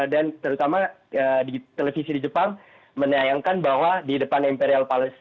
dan terutama di televisi di jepang menayangkan bahwa di depan imperial palace